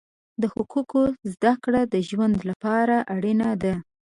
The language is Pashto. د حقوقو زده کړه د ژوند لپاره اړینه ده.